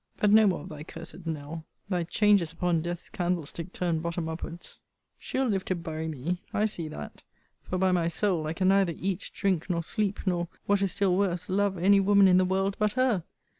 But no more of thy cursed knell; thy changes upon death's candlestick turned bottom upwards: she'll live to bury me; I see that: for, by my soul, I can neither eat, drink, nor sleep, nor, what is still worse, love any woman in the world but her.